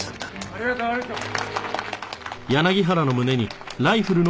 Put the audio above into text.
ありがとうありがとう。